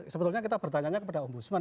sebetulnya kita bertanyanya kepada om busman